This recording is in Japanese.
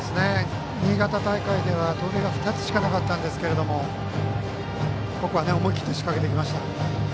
新潟大会では盗塁が２つしかなかったんですけどここは思い切って仕掛けてきました。